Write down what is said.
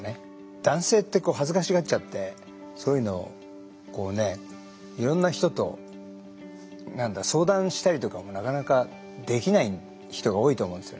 男性って恥ずかしがっちゃってそういうのをこうねいろんな人と相談したりとかもなかなかできない人が多いと思うんですね。